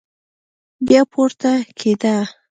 بيا پورته کېده.